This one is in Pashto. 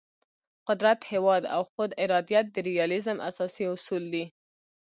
قدرت، هیواد او خود ارادیت د ریالیزم اساسي اصول دي.